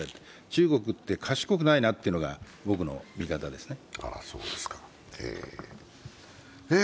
中国って賢くないなというのが僕の見方ですね。